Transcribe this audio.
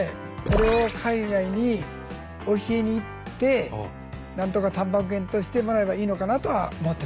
これを海外に教えに行ってなんとかたんぱく源としてもらえばいいのかなとは思ってます。